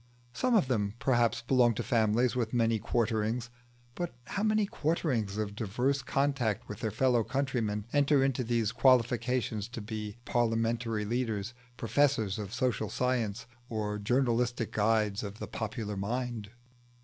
Some of them, perhaps, belong to families with many quarterings; but how many "quarterings" of diverse contact with their fellow countrymen enter into their qualifications to be parliamentary leaders, professors of social science, or journalistic guides of the popular mind?